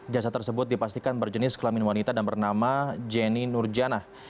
jasad tersebut dipastikan berjenis kelamin wanita dan bernama jenny nurjana